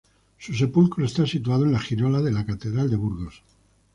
Su sepulcro está situado en la girola de la catedral de Burgos.